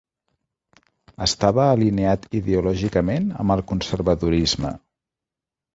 Estava alineat ideològicament amb el conservadorisme.